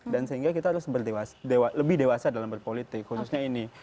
dan sehingga kita harus lebih dewasa dalam berpolitik khususnya ini